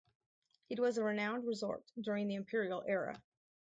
It was a renowned resort during the imperial era.